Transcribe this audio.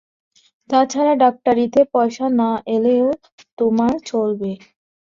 তা ছাড়া, ডাক্তারিতে পয়সা না এলেও তোমার চলবে।